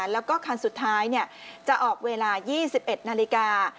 แล้วก็คันสุดท้ายจะออกเวลา๒๑นาฬิกา